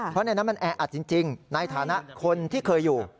เพราะในนั้นมันแออัดจริงในฐานะคนที่เคยอยู่